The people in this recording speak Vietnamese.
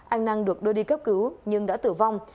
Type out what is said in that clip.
anh năng được đưa đi cấp cứu nhưng đã tử vong